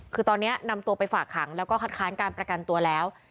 คือตอนนี้นำตัวไปฝากขังแล้วก็คัดค้านการประกันตัวแล้ว